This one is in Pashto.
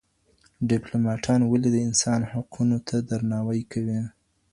ډیپلوماټان ولي د انسان حقونو ته درناوی کوي؟